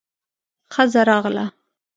ښځه راغله.